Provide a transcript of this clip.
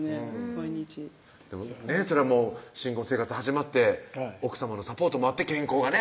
毎日それはもう新婚生活始まって奥さまのサポートもあって健康がね